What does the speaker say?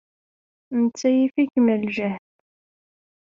Netta yif-ikem ljehd.